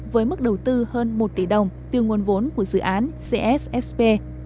với mức đầu tư hơn một tỷ đồng từ nguồn vốn của dự án cssp